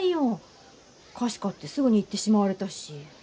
菓子買ってすぐに行ってしまわれたし。